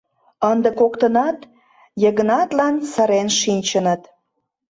Ынде коктынат Йыгнатлан сырен шинчыныт.